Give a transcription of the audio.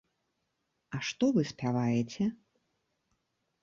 А што вы спяваеце?